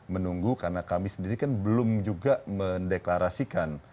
menunggu karena kami sendiri kan belum juga mendeklarasikan